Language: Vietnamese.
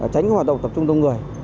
tránh hoạt động tập trung đông người